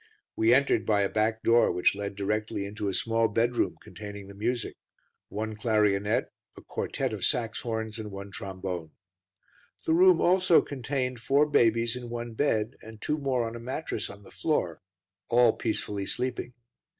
We entered by a back door which led directly into a small bedroom containing the music: one clarionet, a quartet of Saxhorns, and one trombone. The room also contained four babies in one bed, and two more on a mattress on the floor, all peacefully sleeping.